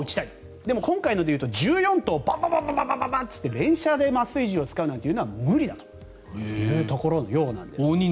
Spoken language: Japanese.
でも今回でいうと１４頭、バンバンと連射で麻酔銃を使うのは無理だというところのようなんです。